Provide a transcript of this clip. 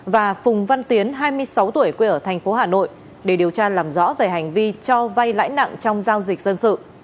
và phùng văn tiến hai mươi sáu tuổi quê ở thành phố hà nội để điều tra làm rõ về hành vi cho vay lãi nặng trong giao dịch dân sự